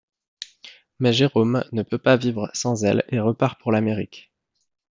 Mais Jérôme ne peut pas vivre sans elle et repart pour l'Amérique.